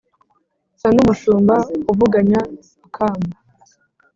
Nsa n' umushumba uvuganya akamu